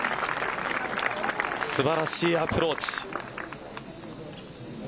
素晴らしいアプローチ。